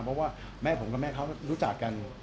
เพราะว่าแม่ผมกับแม่เขารู้จักกัน